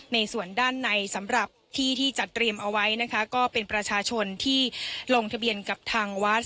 ในส่วนด้านในสำหรับที่ที่จัดเตรียมเอาไว้นะคะก็เป็นประชาชนที่ลงทะเบียนกับทางวัด